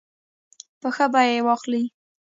په ښه بیه یې واخلي.